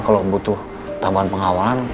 kalau butuh tambahan pengawalan